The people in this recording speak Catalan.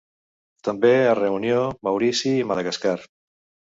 També a Reunió, Maurici i Madagascar.